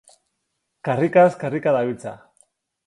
Karrikaz karrika dabiltza.